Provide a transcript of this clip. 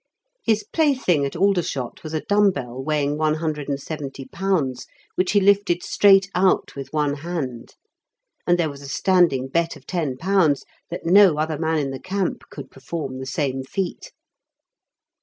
His plaything at Aldershot was a dumb bell weighing 170 lbs., which he lifted straight out with one hand, and there was a standing bet of 10 pounds that no other man in the Camp could perform the same feat.